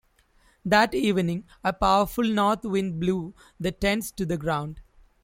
That evening a powerful north wind blew the tents to the ground.